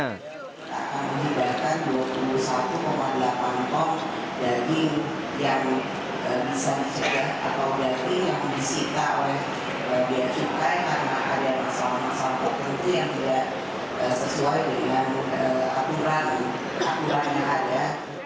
daging yang bisa disita atau berarti yang disita oleh bea cukai karena ada masalah masalah penting yang tidak sesuai dengan aturan aturan yang ada